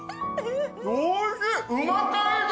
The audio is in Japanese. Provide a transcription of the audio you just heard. おいしい！